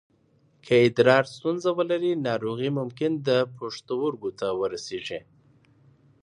که ادرار ستونزه ولري، ناروغي ممکن د پښتورګو ته ورسېږي.